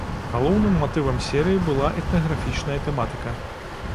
Галоўным матывам серыі была этнаграфічная тэматыка.